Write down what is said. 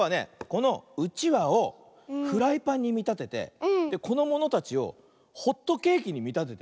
このうちわをフライパンにみたててこのものたちをホットケーキにみたててね